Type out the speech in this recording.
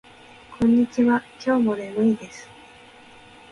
こんにちは。今日も眠いです。